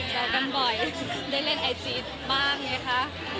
กันบ่อยได้เล่นไอจีบ้างไงคะ